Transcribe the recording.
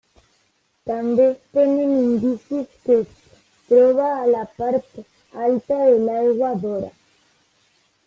També es tenen indicis que es troba a la part alta de l'Aigua d'Ora.